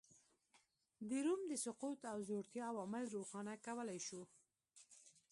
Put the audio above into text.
د روم د سقوط او ځوړتیا عوامل روښانه کولای شو